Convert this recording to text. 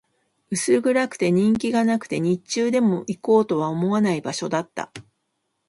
薄暗くて、人気がなくて、日中でも行こうとは思わない場所だった